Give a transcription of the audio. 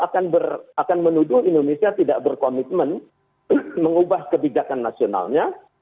akan menuduh indonesia tidak berkomitmen mengubah kebijakan nasionalnya